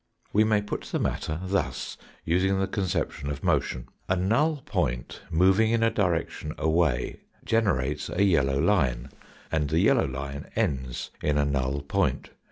We may put the matter thus, using the conception of motion. A null point moving in a direction away generates a yellow line, and the yellow line ends in a null point.